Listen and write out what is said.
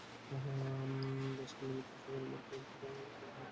দেশ-কাল-নিমিত্ত সেখানেও বর্তমান, তবে উহারা অব্যক্তভাব প্রাপ্ত হইয়াছে মাত্র।